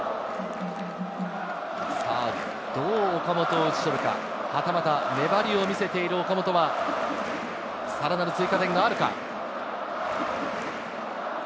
どう岡本を打ち取るか、はたまた粘りを見せている岡本はさらなる追加点があるか。